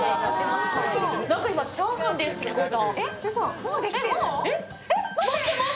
なんか今、チャーハンですって聞こえた。